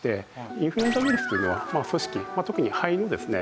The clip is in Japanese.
インフルエンザウイルスというのは組織特に肺のですね